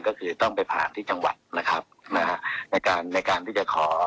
ก็คือต้องไปผ่านที่จังหวัดนะครับนะฮะในการในการที่จะขอ